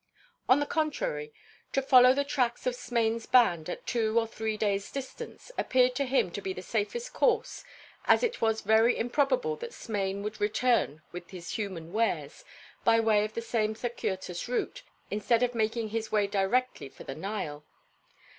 On the contrary, to follow the tracks of Smain's band at two or three days' distance appeared to him to be the safest course as it was very improbable that Smain would return with his human wares by way of the same circuitous route instead of making his way directly for the Nile.